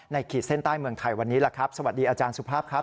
ขีดเส้นใต้เมืองไทยวันนี้ล่ะครับสวัสดีอาจารย์สุภาพครับ